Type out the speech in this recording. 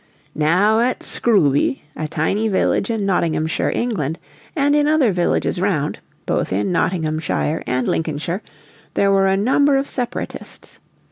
Now at Scrooby, a tiny village in Nottinghamshire, England, and in other villages round, both in Nottinghamshire and Lincolnshire, there were a number of Separatists.